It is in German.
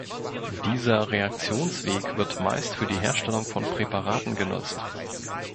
Dieser Reaktionsweg wird meist für die Herstellung von Präparaten genutzt.